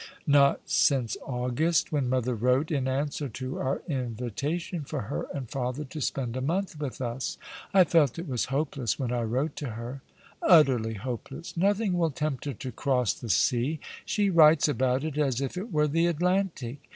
" Not since August, when mother wrote in answer to our invitation for her and father to spend a month with us. I lult it was hopeless when I wrote to her." " Utterly hopeless ! Nothing will tempt her to cross the sea. She writes about it as if it were the Atlantic.